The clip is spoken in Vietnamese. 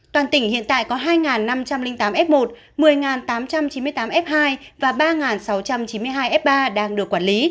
toàn tỉnh hiện tại có hai năm trăm linh tám f một một mươi tám trăm chín mươi tám f hai và ba sáu trăm chín mươi hai f ba đang được quản lý